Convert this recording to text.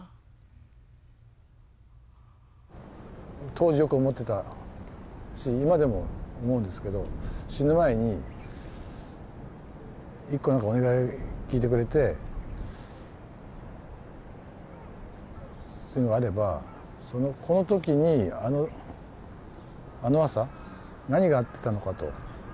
当時よく思ってたし今でも思うんですけど死ぬ前に１個何かお願い聞いてくれてっていうのがあればこの時にあの朝何があってたのかというのをですね